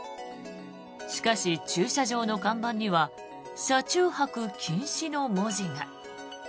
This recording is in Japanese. しかし、駐車場の看板には車中泊禁止の文字が。